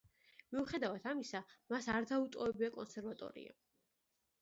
მიუხედავად ამისა, მას არ მიუტოვებია კონსერვატორია.